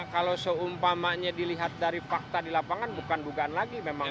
kalau seumpamanya dilihat dari fakta di lapangan bukan dugaan lagi memang